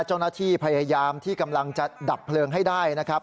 เจ้าหน้าที่พยายามที่กำลังจะดับเพลิงให้ได้นะครับ